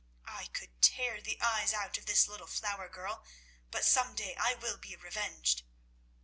I could tear the eyes out of this little flower girl; but some day I will be revenged."